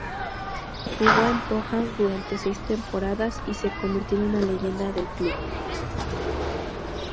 Jugó en Pohang durante seis temporadas y se convirtió en una leyenda del club.